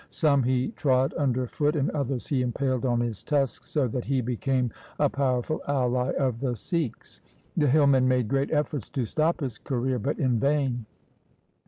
Some he trod under foot and others he impaled on his tusks, so that he became a powerful ally of the Sikhs. The hillmen made great efforts to stop his career, but in vain.